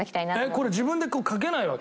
これ自分でこう書けないわけ？